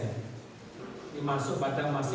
ini masuk pada masih belum masuk pada new normal live